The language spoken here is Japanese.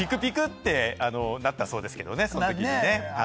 ピクピクってなったそうですけれどね。